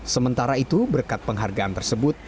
sementara itu berkat penghargaan tersebut